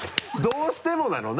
どうしてもなの？